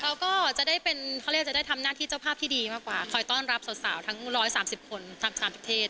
เราก็จะได้เป็นเขาเรียกจะได้ทำหน้าที่เจ้าภาพที่ดีมากกว่าคอยต้อนรับสาวทั้ง๑๓๐คน๓ประเทศ